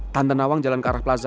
tante nawang jalan ke arah plaza